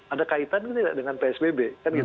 ada kaitannya tidak dengan psbb